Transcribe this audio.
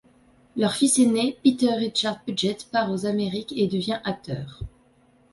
Leur fils aîné, Peter Richard Puget, part aux Amériques et devient acteur.